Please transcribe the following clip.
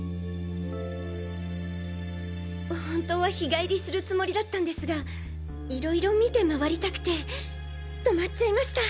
本当は日帰りするつもりだったんですが色々見て回りたくて泊まっちゃいました。